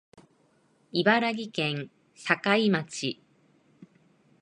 茨城県境町